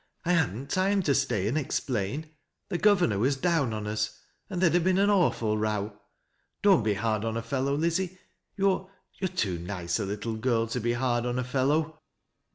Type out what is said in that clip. I hadn't time to stay and explain. The governor was down on us, and there'd have been an awful row. Don't be hard on a fellow, Lizzie You're— you're too nice a little girl to be hard on a fellow."